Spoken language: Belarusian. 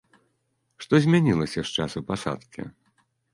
Што змянілася з часу пасадкі?